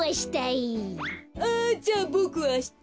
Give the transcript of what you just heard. あじゃあボクあした。